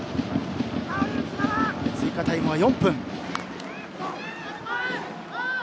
追加タイムは４分。